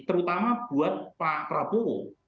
terutama buat pak prabowo